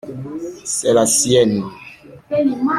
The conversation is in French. C’est la sienne.